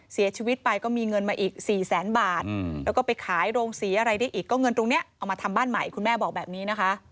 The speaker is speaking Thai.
เสียชีวิตไปก็มีเงินมาอีก๔แสนบาทแล้วก็ไปขายโรงสีอะไรได้อีกก็เงินตรงนี้เอามาทำบ้านใหม่คุณแม่บอกแบบนี้นะคะ